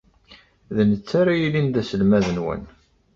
D netta ara yilin d aselmad-nwen.